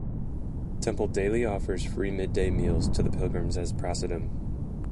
Temple daily offers free mid day meals to the pilgrims as a prasadam.